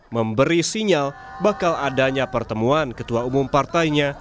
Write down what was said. memberi sinyal bakal adanya pertemuan ketua umum partainya